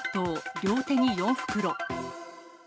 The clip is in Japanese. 両手に４袋。